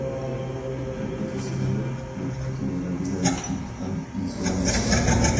El patrocinador del título de la liga es Ping An Insurance.